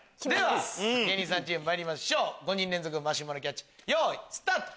芸人さんチームまいりましょう５人連続マシュマロキャッチスタート！